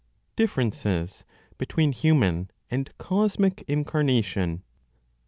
DIFFERENCES BETWEEN HUMAN AND COSMIC INCARNATION. 3.